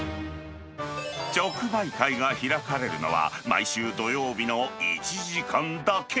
直売会が開かれるのは、毎週土曜日の１時間だけ。